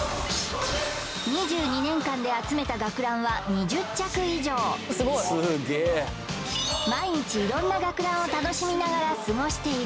２２年間で集めた学ランは２０着以上毎日いろんな学ランを楽しみながら過ごしている